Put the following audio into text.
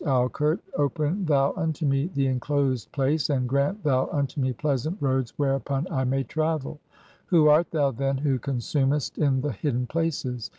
Hail, goddess Aukert, open thou unto me "the enclosed place, and (12) grant thou unto me pleasant roads "whereupon I may travel. Who art thou, then, who consumest "in the hidden places?